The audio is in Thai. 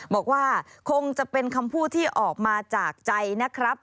บอกว่าคงจะเป็นคำพูดที่ออกมาจากใจนะครับ